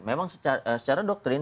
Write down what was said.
memang secara doktrin